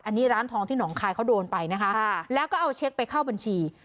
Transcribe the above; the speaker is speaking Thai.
อันนี้ร้านทองที่หนองคายเขาโดนไปนะคะแล้วก็เอาเช็คไปเข้าบัญชี